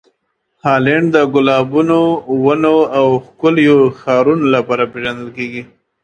هالنډ د ګلابونو او ونې ښکلې ښارونو لپاره پېژندل کیږي.